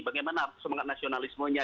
bagaimana semangat nasionalismenya